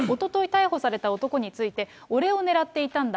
逮捕された男性について、俺を狙っていたんだ。